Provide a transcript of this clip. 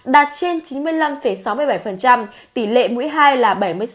đạt trên chín mươi năm sáu mươi bảy tỷ lệ mũi hai là bảy mươi sáu bốn mươi sáu